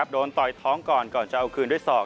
ต่อยท้องก่อนก่อนจะเอาคืนด้วยศอก